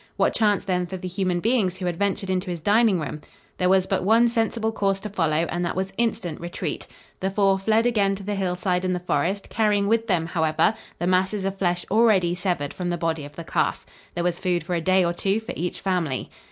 What chance then for the human beings who had ventured into his dining room? There was but one sensible course to follow, and that was instant retreat. The four fled again to the hillside and the forest, carrying with them, however, the masses of flesh already severed from the body of the calf. There was food for a day or two for each family.